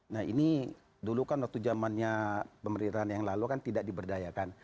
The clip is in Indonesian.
nah ini dulu kan waktu zamannya pemerintahan yang lalu kan tidak diberdayakan